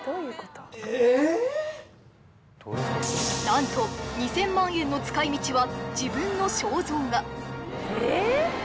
なんと２０００万円の使い道は自分の肖像画えっ？